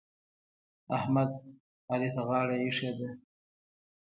احمد؛ علي ته غاړه ايښې ده.